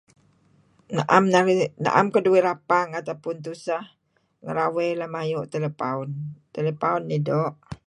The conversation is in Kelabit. Naem keduih rapang atau tuseh ngarawey lem ayu' telepaun iih. Telepaun iih doo'.